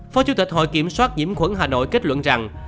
phó chủ tịch hội kiểm soát nhiễm khuẩn hà nội kết luận rằng